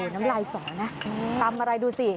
น้ำลายสอนะตำอะไรดูสิ